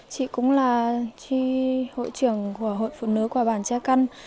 chị cũng là chị hội trưởng của hội phụ nữ của bản che căn